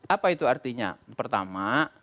apa itu artinya pertama